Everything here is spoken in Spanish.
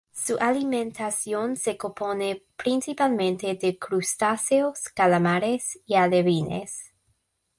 Su alimentación se compone principalmente de crustáceos, calamares y alevines.